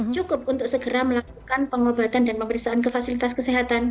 cukup untuk segera melakukan pengobatan dan pemeriksaan ke fasilitas kesehatan